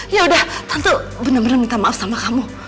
yaudah tante bener bener minta maaf sama kamu